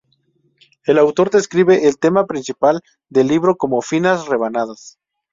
El autor describe el tema principal del libro como "finas rebanadas".